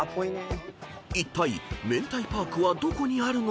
［いったいめんたいパークはどこにあるのか？］